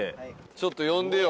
ちょっと読んでよ。